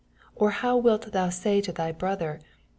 4 Or how wilt thou say to thy bro ther.